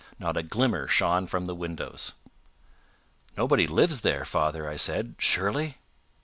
Not a glimmer shone from the windows. "Nobody lives there, father," I said, "surely?"